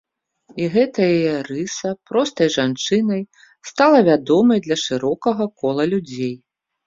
І гэта яе рыса простай жанчынай стала вядомай для шырокага кола людзей.